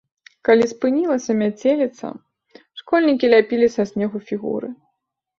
Калі спынілася мяцеліца, школьнікі ляпілі са снегу фігуры.